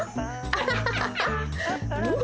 アハハハハ！